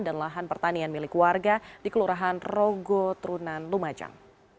dan lahan pertanian milik warga di kelurahan rogo trunan lumajang